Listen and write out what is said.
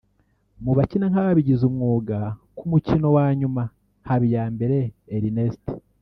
Mu bakina nk’ababigize umwuga ku mukino wa nyuma Habiyambere Ernest